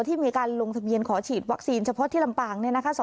ที่มีการลงทะเบียนขอฉีดวัคซีนเฉพาะที่ลำปาง